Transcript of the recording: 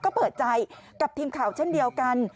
ก็เปิดใจกับทีมข่าวเช่นเดียวกัน